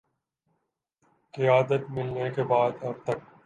قیادت ملنے کے بعد اب تک